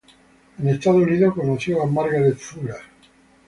En Estados Unidos conoció a Margaret Fuller.